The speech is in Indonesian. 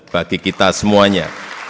bagi kita semuanya